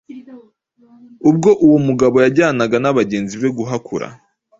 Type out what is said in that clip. ubwo uwo mugabo yajyanaga n’abagenzi be guhakura